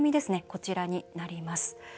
こちらになります。